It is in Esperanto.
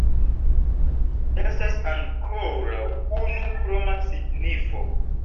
Estas ankoraŭ unu kroma signifo.